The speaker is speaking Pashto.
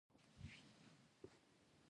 که مي زړګي ستا خاطرې ساتي